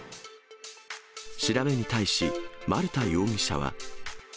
調べに対し丸田容疑者は。